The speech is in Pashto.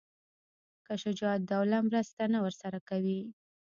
که شجاع الدوله مرسته نه ورسره کوي.